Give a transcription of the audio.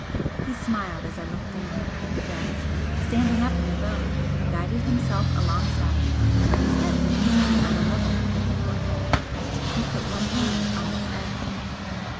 He smiled as I looked down, then, standing up in the boat, guided himself alongside, till his head was nearly on a level with the port hole. He put one hand on its edge.